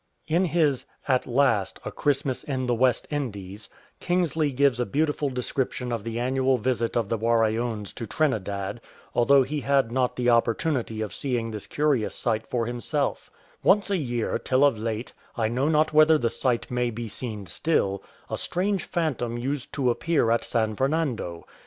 In his At Last : A Christmas in the West Indies, Kingsley gives a beautiful description of the annual visit of the Waraoons to Trinidad, although he had not the opportu nity of seeing this curious sight for himself :—" Once a year, till of late — I know not whether the sight may be seen still — a strange phantom used to appear at San Fernando.